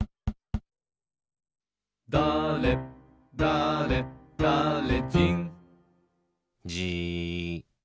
「だれだれだれじん」じーっ。